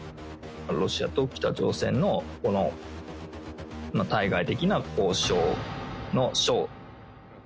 ロシアと北朝鮮の対外的な交渉のショー。